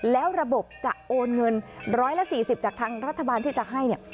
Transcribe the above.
แล้วระบบจะโอนเงิน๑๔๐จากทางรัฐบาลที่จะให้เนี่ย